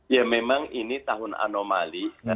ya memang ini tahun anomali